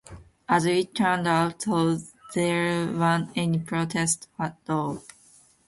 As it turned out, though, there weren't any protests at all.